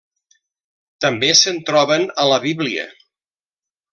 També se'n troben a la Bíblia.